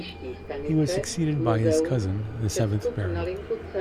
He was succeeded by his cousin, the seventh Baron.